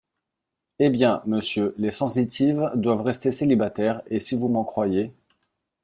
Eh bien, monsieur, les sensitives doivent rester célibataires, et si vous m’en croyez…